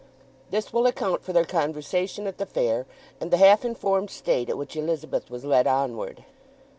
This will account for their conversation at the fair and the half informed state at which Elizabeth was led onward.